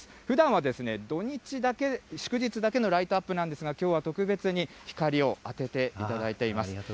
ふだんは土日だけ、祝日だけのライトアップなんですが、きょうは特別に光を当てていただいています。